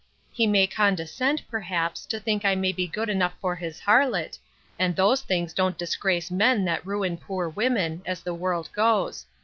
—He may condescend, perhaps, to think I may be good enough for his harlot; and those things don't disgrace men that ruin poor women, as the world goes.